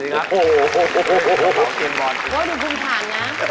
เอาตัวมาส่งหรอ